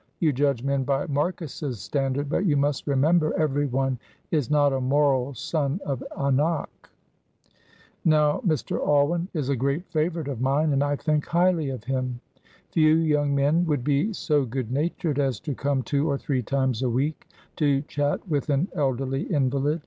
You judge men by Marcus's standard, but you must remember every one is not a moral son of Anak. "Now Mr. Alwyn is a great favourite of mine, and I think highly of him. Few young men would be so good natured as to come two or three times a week to chat with an elderly invalid.